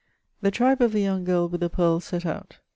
The tribe of tlie young girl with the pearls set out.